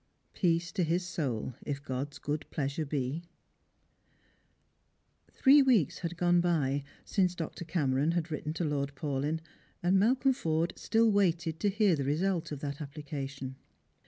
Peace to his soul, if God's good pleasure be !" i'HBEE weeks had gone by since Dr. Cameron had written to Lord Paulyn, and Malcolm Forde still waited to hear the result of that apphcation.